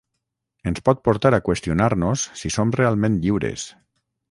ens pot portar a qüestionar-nos si som realment lliures